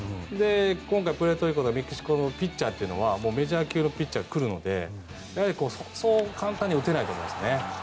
今回、プエルトリコやメキシコのピッチャーというのはメジャー級のピッチャーが来るのでそう簡単には打てないと思いますね。